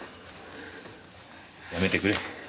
やめてくれ。